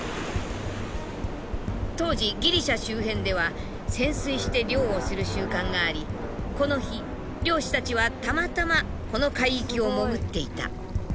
当時ギリシャ周辺では潜水して漁をする習慣がありこの日漁師たちはたまたまこの海域を潜っていた。